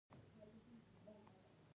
دوی ته اسلام زده کړئ